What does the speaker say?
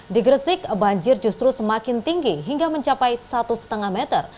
di gresik banjir justru semakin tinggi hingga mencapai satu lima meter